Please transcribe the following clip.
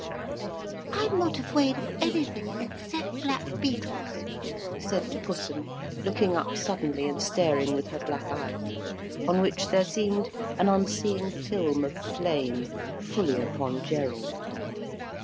"I'm not afwaid of anything except black beetles," said the Pussum, looking up suddenly and staring with her black eyes, on which there seemed an unseeing film of flame, fully upon Gerald.